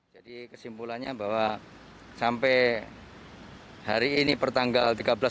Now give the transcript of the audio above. jadi kesimpulannya bahwa sampai hari ini pertanggal tiga belas oktober dua ribu dua puluh